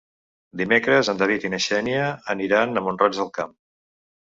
Dimecres en David i na Xènia aniran a Mont-roig del Camp.